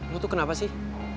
lu tuh kenapa sih